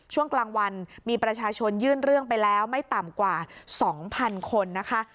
ช่วงกลางวันมีประชาชนยื่นเรื่องไปแล้วไม่ต่ำกว่า๒๐๐๐คนนะคะ